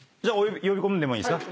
呼び込んでもいいですか？